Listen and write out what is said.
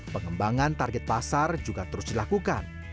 pengembangan target pasar juga terus dilakukan